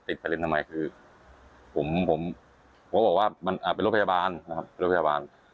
ติดไฟเล่นทำไมคือผมก็บอกว่าเป็นรถพยาบาลนะครับ